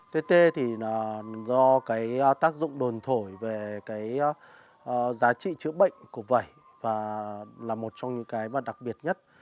tê tê thì do cái tác dụng đồn thổi về cái giá trị chữa bệnh của vẩy và là một trong những cái đặc biệt nhất